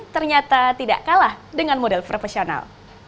ternyata tidak kalah dengan model profesional